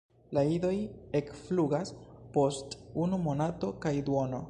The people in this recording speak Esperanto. La idoj ekflugas post unu monato kaj duono.